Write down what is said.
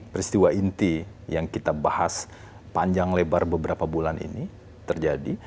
peristiwa inti yang kita bahas panjang lebar beberapa bulan ini terjadi